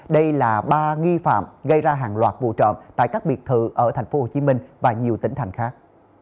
đây là ba nghi phạm gây ra hàng loạt vụ trộm tại các biệt thự ở tp hcm và nhiều tỉnh thành khác